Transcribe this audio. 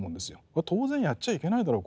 これ当然やっちゃいけないだろう